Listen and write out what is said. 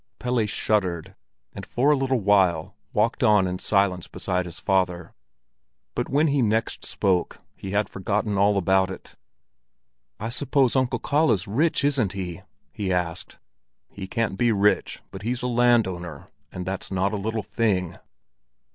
Pelle shuddered, and for a little while walked on in silence beside his father; but when he next spoke, he had forgotten all about it. "I suppose Uncle Kalle's rich, isn't he?" he asked. "He can't be rich, but he's a land owner, and that's not a little thing!"